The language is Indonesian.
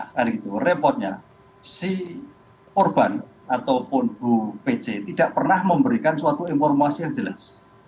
hari itu repotnya si korban ataupun bu pc tidak pernah memberikan suatu informasi yang jelas